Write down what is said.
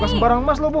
bukas barang emas loh bu